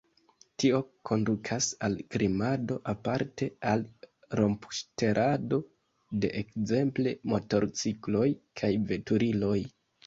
Tio kondukas al krimado, aparte al rompŝtelado de ekzemple motorcikloj kaj veturiloj.